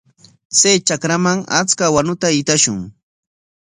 Chay trakraman achka wanuta hitashun.